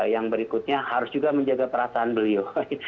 yang berikutnya harus juga menjaga perasaan beliau